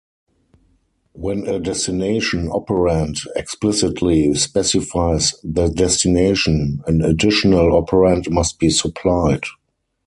When a "destination operand" explicitly specifies the destination, an additional operand must be supplied.